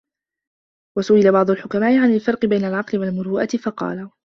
وَسُئِلَ بَعْضُ الْحُكَمَاءِ عَنْ الْفَرْقِ بَيْنَ الْعَقْلِ وَالْمُرُوءَةِ فَقَالَ